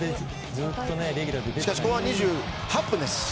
しかし、後半２８分。